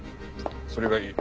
それがいい。